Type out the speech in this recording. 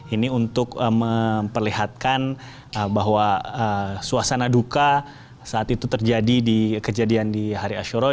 ini untuk memperlihatkan bahwa suasana duka saat itu terjadi di kejadian di hari ashura